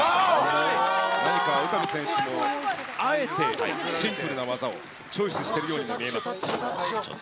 なにか詩美選手も、あえてシンプルな技をチョイスしてるように見えます。